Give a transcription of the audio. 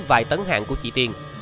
vài tấn hàng của chị tiên